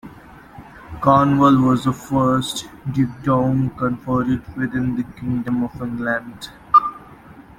Cornwall was the first dukedom conferred within the Kingdom of England.